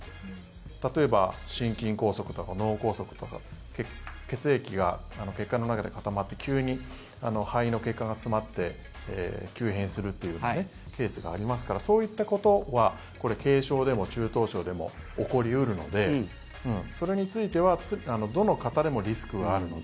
例えば心筋梗塞とか脳梗塞とか血液が血管の中で固まって急に肺の血管が詰まって急変するっていうケースもありますからそういったことは軽症でも中等症でも起こり得るのでそれについてはどの方でもリスクがあるので。